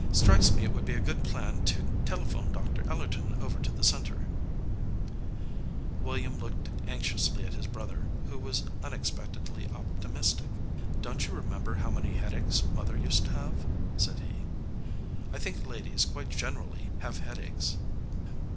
Strikes me it would be a good plan to telephone Doctor Ellerton over to the Center." William looked anxiously at his brother, who was unexpectedly optimistic. "Don t you remem ber how many headaches mother used to have?" said he. "I think ladies quite generally have head aches."